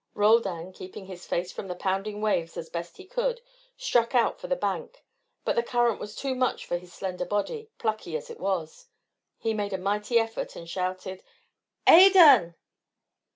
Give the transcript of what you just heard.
Roldan, keeping his face from the pounding waves as best he could, struck out for the bank. But the current was too much for his slender body, plucky as it was. He made a mighty effort and shouted, "Adan!"